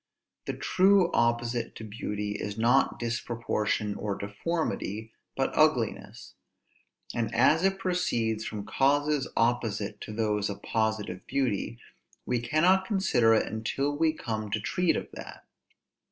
The true opposite to beauty is not disproportion or deformity, but ugliness: and as it proceeds from causes opposite to those of positive beauty, we cannot consider it until we come to treat of that.